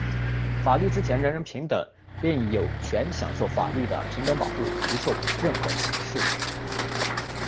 法律之前人人平等,并有权享受法律的平等保护,不受任何歧视。